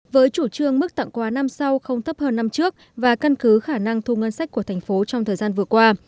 với chủ trương mức tặng quà năm sau không thấp hơn năm trước và căn cứ khả năng thu ngân sách của thành phố trong thời gian vừa qua